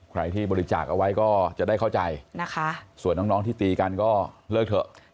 ใครที่บริจาคเอาไว้ก็จะได้เข้าใจนะคะส่วนน้องที่ตีกันก็เลิกเถอะ